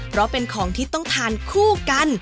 เพราะเป็นของที่ต้องทานคู่กัน